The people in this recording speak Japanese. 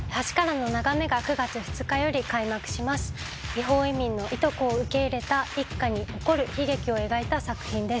違法移民のいとこを受け入れた一家に起こる悲劇を描いた作品です。